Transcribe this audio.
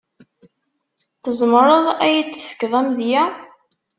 Tzemreḍ ad yi-d-tefkeḍ amedya?